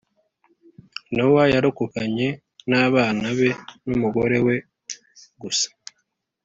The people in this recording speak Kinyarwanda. Nowa yarokokanye nabana be numugorewe gusa